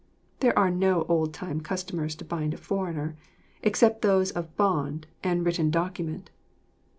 There are no old time customs to bind a foreigner, except those of bond and written document.